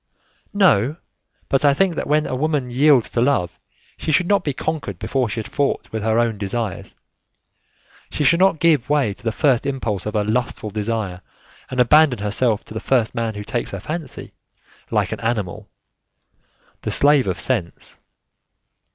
"No, but I think that when a woman yields to love, she should not be conquered before she has fought with her own desires; she should not give way to the first impulse of a lustful desire and abandon herself to the first man who takes her fancy, like an animal the slave of sense.